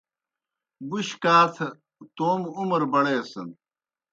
بُش کاتھہ توموْ عُمر بڑیسَن۔